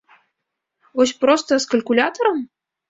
Вось проста, з калькулятарам?